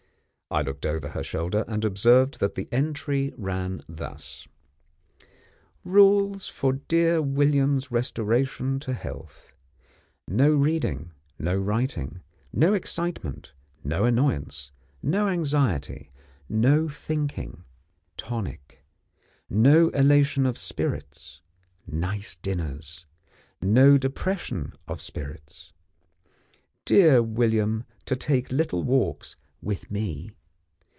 I looked over her shoulder and observed that the entry ran thus: "RULES FOR DEAR WILLIAM'S RESTORATION TO HEALTH. No reading; no writing; no excitement; no annoyance; no anxiety; no thinking. Tonic. No elation of spirits. Nice dinners. No depression of spirits. Dear William to take little walks (with me).